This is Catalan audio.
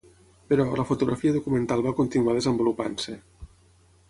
Però, la fotografia documental va continuar desenvolupant-se.